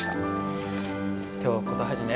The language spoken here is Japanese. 「京コトはじめ」